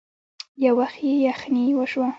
يو وخت يې يخنې وشوه.